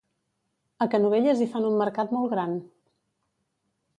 A Canovelles hi fan un mercat molt gran